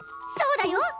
そうだよ！